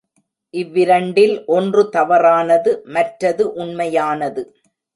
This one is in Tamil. இவ்விரண்டில் ஒன்று தவறானது மற்றது உண்மையானது.